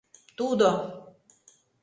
— Тудо.